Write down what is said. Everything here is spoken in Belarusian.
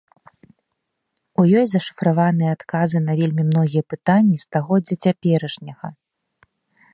У ёй зашыфраваныя адказы на вельмі многія пытанні стагоддзя цяперашняга.